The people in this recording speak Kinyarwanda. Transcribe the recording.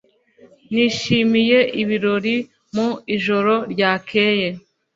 Nishimiye ibirori mu ijoro ryakeye.